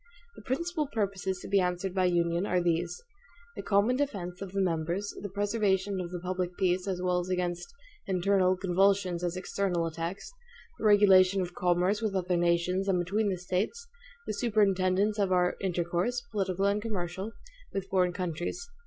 The principal purposes to be answered by union are these the common defense of the members; the preservation of the public peace as well against internal convulsions as external attacks; the regulation of commerce with other nations and between the States; the superintendence of our intercourse, political and commercial, with foreign countries.